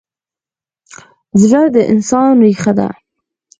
زړه د انسان ریښه ده.